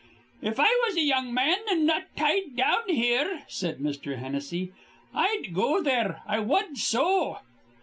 "If I was a young man an' not tied down here," said Mr. Hennessy, "I'd go there: I wud so."